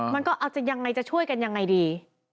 มันก็เอาจริงจะช่วยกันอย่างไรดี